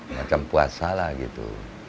macam puasa lah gitu